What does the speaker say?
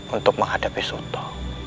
untuk menghadapi suta